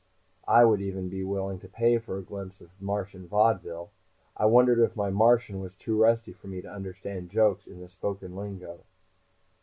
I would even be willing to pay for a glimpse of Martian vaudeville. I wondered if my Martian was too rusty for me to understand jokes in the spoken lingo.